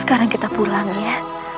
sekarang kita pulang ya